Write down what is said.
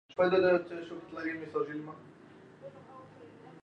ⵓⵙⵔⵖ ⴱⴰⵀⵔⴰ ⴽⵔⴰ ⵏ ⵜⵀⵉⵔⵉⵜ.